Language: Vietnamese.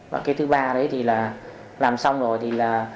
và cái thứ ba là làm xong rồi